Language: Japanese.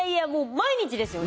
毎日ですよね？